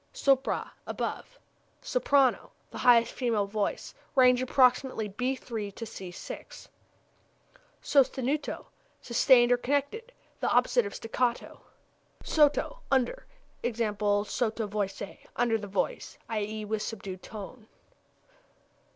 Sopra above. Soprano the highest female voice. Range approximately b c'''. Sostenuto sustained or connected; the opposite of staccato. Sotto under. E.g., sotto voce under the voice, i.e., with subdued tone.